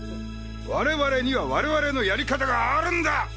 我々には我々のやり方があるんだ！